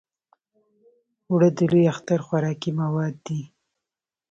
اوړه د لوی اختر خوراکي مواد دي